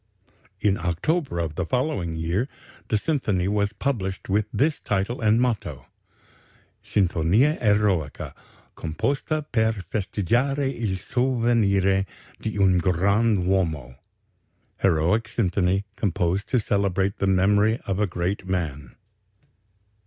In October of the following year the symphony was published with this title and motto: Sinfonia Eroica.... Composta per festeggiare il Sovvenire di un grand Uomo ("Heroic Symphony.... Composed to celebrate the memory of a great man.")